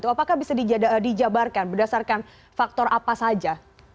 apakah bisa dijabarkan berdasarkan faktor apa saja